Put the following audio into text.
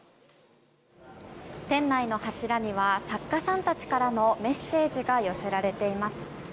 店内の柱には作家さんたちからのメッセージが寄せられています。